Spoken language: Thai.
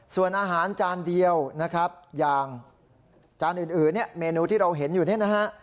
ส่วนอาหารจานเดียวนะครับอย่างจานอื่นเนี่ยเมนูที่เราเห็นอยู่เนี่ยนะฮะ